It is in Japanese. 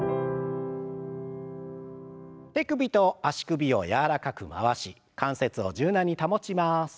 手首と足首を柔らかく回し関節を柔軟に保ちます。